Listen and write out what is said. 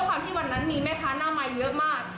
ด้วยความที่วันนั้นมีแม่ค้าหน้าไม้เยอะมาก